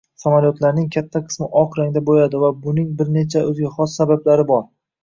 Samolyotlarning katta qismi oq rangda boʻladi va buning bir qancha oʻziga xos sabablari bor: